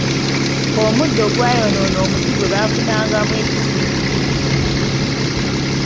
Omuddo gwayonoona omuti gwe bafunangamu ekisiikirize.